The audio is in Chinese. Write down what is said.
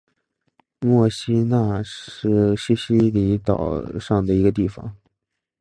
墨西拿是西西里岛上的一个地方。